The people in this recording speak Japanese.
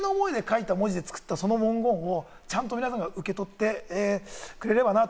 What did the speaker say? この、こんだけの思いで書いた文字で作ったその文言をちゃんと皆さんが受け取ってくれればなと。